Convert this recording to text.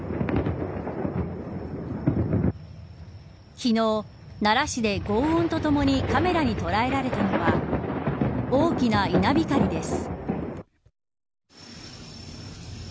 昨日、奈良市でごう音とともにカメラに捉えられたのは大きな稲光です。